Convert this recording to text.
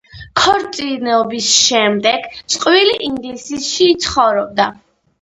ქორწინების შემდეგ წყვილი ინგლისში ცხოვრობდა.